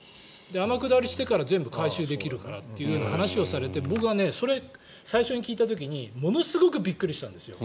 天下りしてから全部回収できるからという話を聞いて僕、最初に聞いた時にものすごくびっくりしたんです。